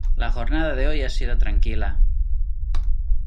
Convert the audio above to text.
La jornada de hoy ha sido tranquila.